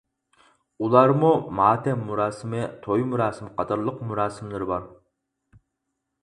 ئۇلارمۇ ماتەم مۇراسىمى، توي مۇراسىمى قاتارلىق مۇراسىملىرى بار.